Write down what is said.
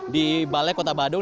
di balai kota bandung